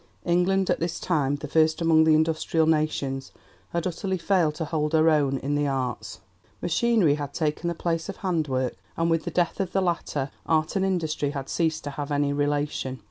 England, at this time the first among the Industrial Nations, had utterly failed to hold her own in the Arts. Machinery had taken the place of handwork, and with the death of the latter art and industry had ceased to have any relation.